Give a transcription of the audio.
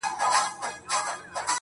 که مي د دې وطن له کاڼي هم کالي څنډلي~